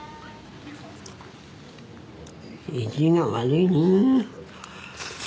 意地が悪いねぇ。